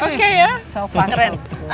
oke ya terima kasih